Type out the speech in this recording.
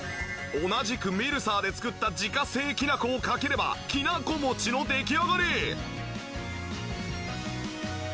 同じくミルサーで作った自家製きなこをかければきなこ餅の出来上がり！